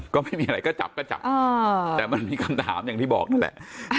ก็ไม่มีอะไรก็จับก็จับแต่มันมีคำถามอย่างที่บอกนั่นแหละ